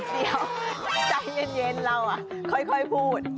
เดี๋ยวใจเย็นเราค่อยพูด